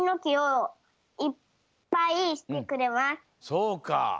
そうか。